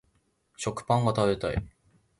食パンが食べたい